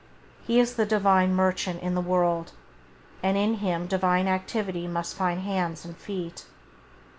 He is the Divine Merchant in the world, and in him Divine activity [Page 15] must find hands and feet.